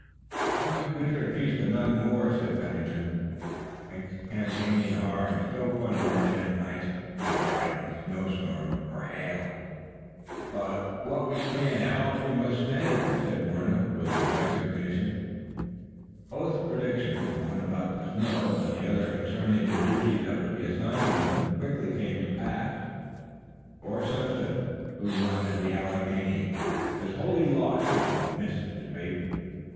"I like winter in peace, but not in war," said Pennington. "It makes campaigning hard. It's no fun marching at night in a driving storm of snow or hail." "But what we can't help we must stand," said Warner with resignation. Both predictions, the one about the snow and the other concerning the duty that would be assigned to them, quickly came to pass. Before sunset the blue line of the Alleghanies was lost wholly in mist and vapor.